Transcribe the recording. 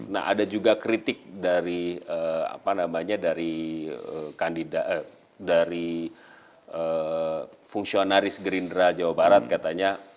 nah ada juga kritik dari apa namanya dari fungsionaris gerindra jawa barat katanya